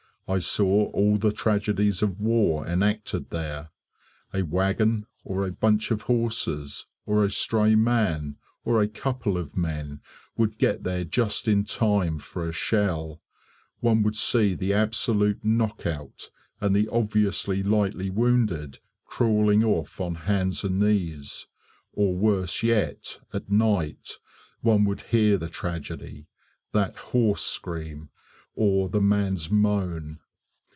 I saw all the tragedies of war enacted there. A wagon, or a bunch of horses, or a stray man, or a couple of men, would get there just in time for a shell. One would see the absolute knock out, and the obviously lightly wounded crawling off on hands and knees; or worse yet, at night, one would hear the tragedy "that horse scream" or the man's moan.